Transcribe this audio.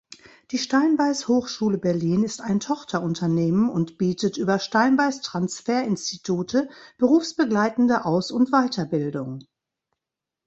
Die Steinbeis-Hochschule Berlin ist ein Tochterunternehmen und bietet über Steinbeis-Transfer-Institute berufsbegleitende Aus- und Weiterbildung.